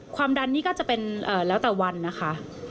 ความดันนี่ก็จะเป็นแล้วแต่วันนะคะ